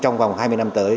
trong vòng hai mươi năm tới